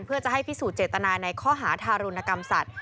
เพื่อจะให้พิสูจนเจตนาในข้อหาทารุณกรรมสัตว